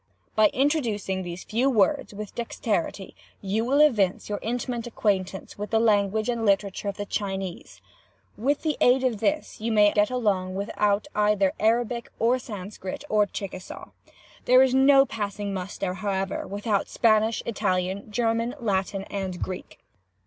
By introducing these few words with dexterity you will evince your intimate acquaintance with the language and literature of the Chinese. With the aid of this you may either get along without either Arabic, or Sanscrit, or Chickasaw. There is no passing muster, however, without Spanish, Italian, German, Latin, and Greek.